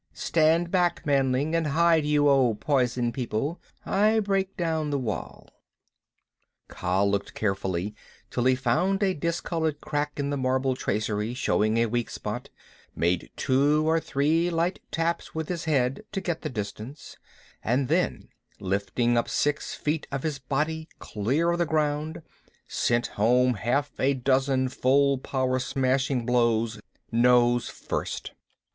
Stand back, manling. And hide you, O Poison People. I break down the wall." Kaa looked carefully till he found a discolored crack in the marble tracery showing a weak spot, made two or three light taps with his head to get the distance, and then lifting up six feet of his body clear of the ground, sent home half a dozen full power smashing blows, nose first.